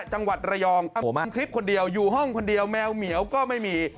จังหวัดระยองผมทำคลิปคนเดียวอยู่ห้องคนเดียวแมวเหมียวก็ไม่มี